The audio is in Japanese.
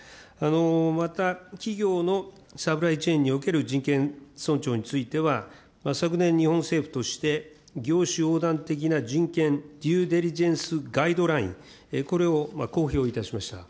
また企業のサプライチェーンにおける人権尊重については、昨年、日本政府として、業種横断的な人権デューデリジェンスガイドライン、これを公表いたしました。